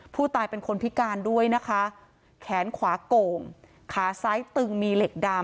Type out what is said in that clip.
ผู้ตายเป็นคนพิการด้วยนะคะแขนขวาโก่งขาซ้ายตึงมีเหล็กดาม